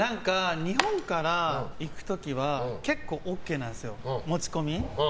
日本から行く時は結構ＯＫなんですよ、持ち込み。